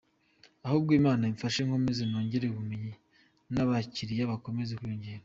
Ahubwo Imana imfashe nkomeze nongere ubumenyi n’abakiriya bakomeze kwiyongera”.